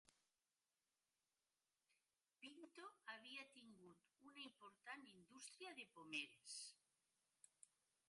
Pinto havia tingut una important indústria de pomeres.